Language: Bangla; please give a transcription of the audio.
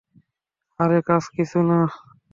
আরে কাজ কিছু না।